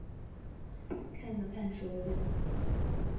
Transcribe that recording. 看了看手表